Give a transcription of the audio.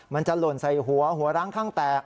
มันจะหล่นใส่หัวหัวร้างข้างแตก